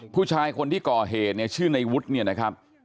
ผู้ชายคนที่ก่อเหตุเนี่ยชื่อในวุฒิเนี่ยนะครับ